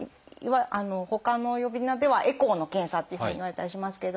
ほかの呼び名ではエコーの検査っていうふうにいわれたりしますけども。